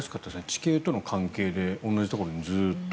地形との関係で同じところにずっと。